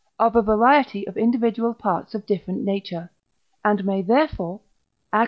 of a variety of individual parts of different nature, and may therefore (Ax.i.